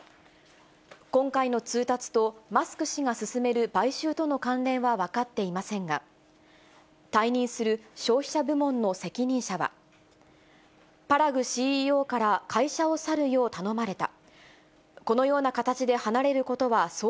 今回の通達とマスク氏が進める買収との関連は分かっていませんが、退任する消費者部門の責任者は、パラグＣＥＯから会社を去るよう頼まれた。